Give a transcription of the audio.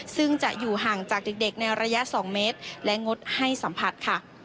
ซึ่งจะอยู่ห่างจากเด็กในระยะ๒เมตรและงดให้สัมผัสค่ะ